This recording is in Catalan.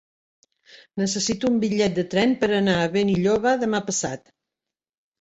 Necessito un bitllet de tren per anar a Benilloba demà passat.